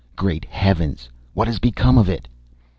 "Great Heavens! what has become of it?"